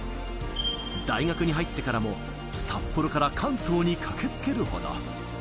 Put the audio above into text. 大学に入ってからも札幌から関東に駆けつけるほど。